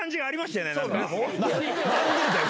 何でだよ！